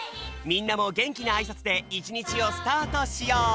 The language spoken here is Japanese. みんなもげんきなあいさつでいちにちをスタートしよう！